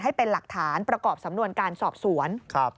ให้เป็นหลักฐานประกอบสำนวนการสอบสวน